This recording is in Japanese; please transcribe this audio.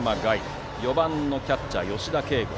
そして４番のキャッチャー、吉田慶剛。